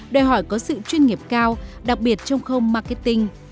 đòi hỏi có sự chuyên nghiệp cao đặc biệt trong khâu marketing